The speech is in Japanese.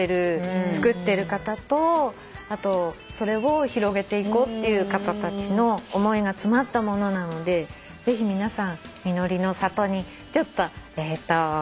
作ってる方とそれを広げていこうって方たちの思いが詰まったものなのでぜひ皆さん穂の里にちょっとえっと。